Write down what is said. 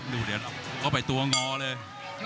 ดูเดี๋ยวเข้าไปตัวงอเลย